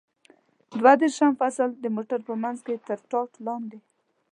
دوه دېرشم فصل: د موټر په منځ کې تر ټاټ لاندې.